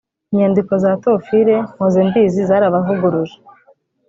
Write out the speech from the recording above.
Inyandiko za Théophile Mpozembizi zarabavuguruje